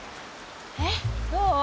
えっどう？